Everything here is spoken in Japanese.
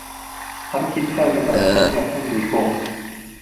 歩き疲れたから少し休んでいこう